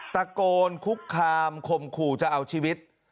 ตะโกนคุกคามคมขู่จะเอาชีวิต